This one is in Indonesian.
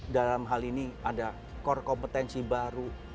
dalam hal ini ada core kompetensi baru